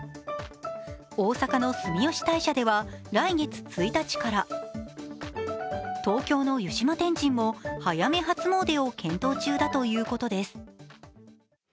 大阪の住吉大社では来月１日から、東京の湯島天神も早め初詣を検討中だということです。